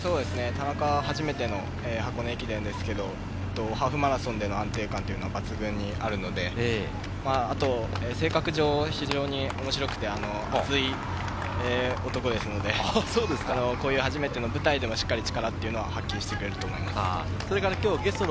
田中は初めての箱根駅伝ですけど、ハーフマラソンでの安定感は抜群にあるので、あと性格上、非常に面白くて、熱い男ですので、こういう初めての舞台でもしっかり力を発揮してくれると思います。